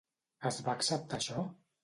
Es va acceptar això?